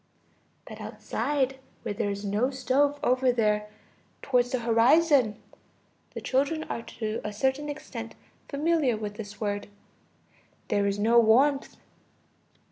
But outside, where there is no stove, over there, towards the horizon (the children are to a certain extent familiar with this word), there is no warmth.